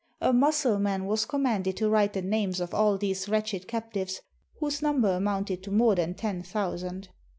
A Mussulman was commanded to write the names of all these wretched captives, whose number amounted to more than ten thousand.